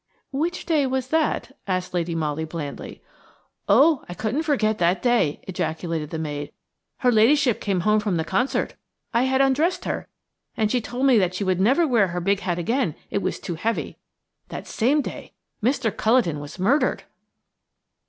"Which day was that?" asked Lady Molly, blandly. "Oh! I couldn't forget that day," ejaculated the maid; "her ladyship came home from the concert–I had undressed her, and she told me that she would never wear her big hat again–it was too heavy. That same day Mr. Culledon was murdered."